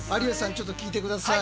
ちょっと聞いて下さい。